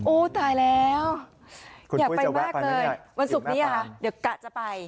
ตายแล้วอยากไปมากเลยวันศุกร์นี้ค่ะเดี๋ยวกะจะไป